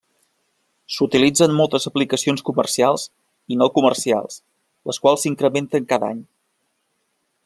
S'utilitza en moltes aplicacions comercials, i no comercials, les quals s'incrementen cada any.